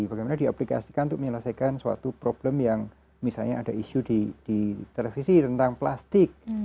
bagaimana diaplikasikan untuk menyelesaikan suatu problem yang misalnya ada isu di televisi tentang plastik